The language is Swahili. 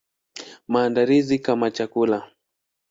Maandalizi kama chakula.